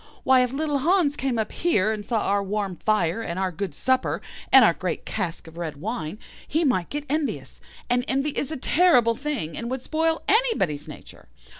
Why, if little Hans came up here, and saw our warm fire, and our good supper, and our great cask of red wine, he might get envious, and envy is a most terrible thing, and would spoil anybody's nature.